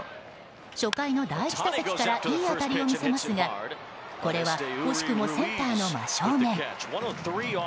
初回の第１打席からいい当たりを見せますがこれは惜しくもセンターの真正面。